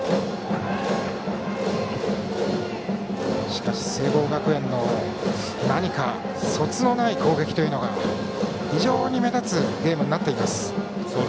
しかし聖望学園の何かそつのない攻撃というのが非常に目立つゲームになっています。